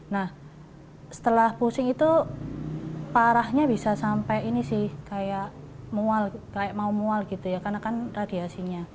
nah setelah pusing itu parahnya bisa sampai ini sih kayak mual kayak mau mual gitu ya karena kan radiasinya